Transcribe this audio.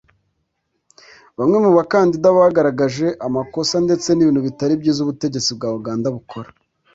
bamwe mu bakandida bagaragaje amakosa ndetse n’ibintu bitari byiza ubutegetsi bwa Uganda bukora